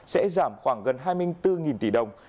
sẽ giảm khoảng gần hai mươi bốn tỷ đồng